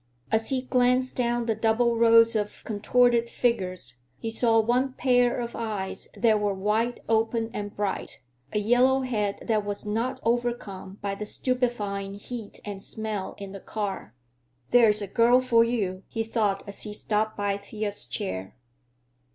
As he glanced down the double rows of contorted figures, he saw one pair of eyes that were wide open and bright, a yellow head that was not overcome by the stupefying heat and smell in the car. "There's a girl for you," he thought as he stopped by Thea's chair.